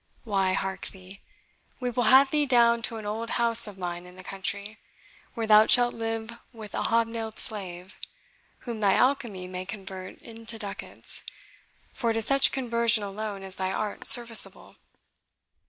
Why, hark thee, we will have thee down to an old house of mine in the country, where thou shalt live with a hobnailed slave, whom thy alchemy may convert into ducats, for to such conversion alone is thy art serviceable."